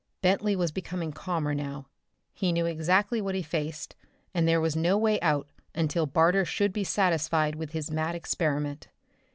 Bentley was becoming calmer now. He knew exactly what he faced, and there was no way out until Barter should be satisfied with his mad experiment.